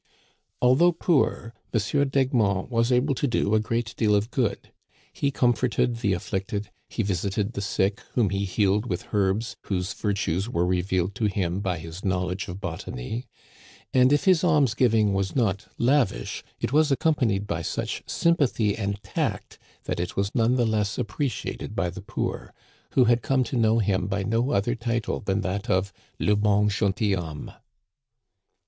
Although poor, M. d'Egmont was able to do a great deal of good. He comforted the afflicted; he visited the sick, whom he healed with herbs whose vir tues were revealed to him by his knowledge of botany ; and if his alms giving was not lavish, it was accompa nied by such sympathy and tact that it was none the less appreciated by the poor, who had come to know him by no other title than that of le bon gentilhomme.